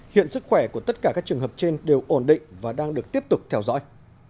hiện sức khỏe của tất cả các trường hợp trên đều ổn định và đang được tiếp tục theo dõi